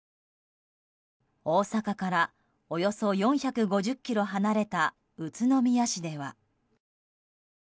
大阪からおよそ４５０ｋｍ離れた宇都宮市では。